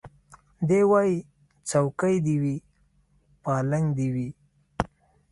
دی وايي څوکۍ دي وي پالنګ دي وي